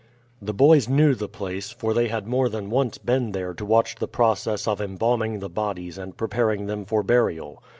The boys knew the place, for they had more than once been there to watch the process of embalming the bodies and preparing them for burial.